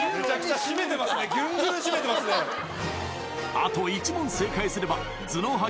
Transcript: あと１問正解すれば頭脳派